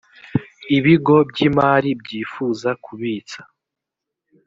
ibigo by’imari byifuza kubitsa